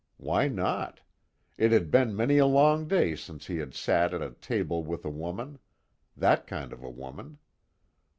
Why not? It had been many a long day since he had sat at a table with a woman that kind of a woman.